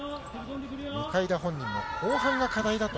向田本人も後半が課題だと。